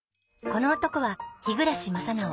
この男は日暮正直。